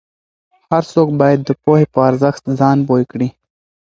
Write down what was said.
هر څوک باید د پوهې په ارزښت ځان پوه کړي.